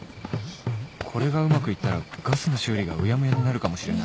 これがうまくいったらガスの修理がうやむやになるかもしれない